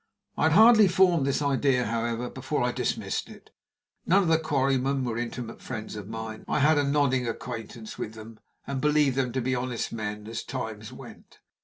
I had hardly formed this idea, however, before I dismissed it. None of the quarrymen were intimate friends of mine. I had a nodding acquaintance with them, and believed them to be honest men, as times went.